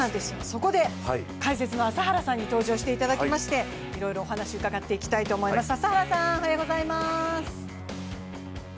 そこで解説の朝原さんに登場していただきましていろいろ伺っていきたいと思います。